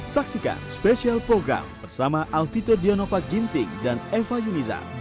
saksikan spesial program bersama alvito dianova ginting dan eva yunizar